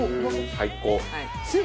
最高！